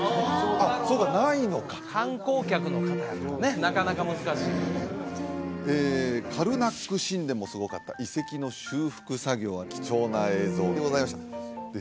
ああっそうかないのか観光客の方やからねなかなか難しいカルナック神殿もすごかった遺跡の修復作業は貴重な映像でございましたで